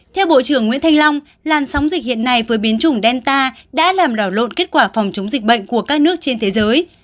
theo bộ trưởng nguyễn thanh long làn sóng dịch hiện nay với biến chủng delta đã làm đảo lộn kết quả phòng chống dịch bệnh của các nước trên thế giới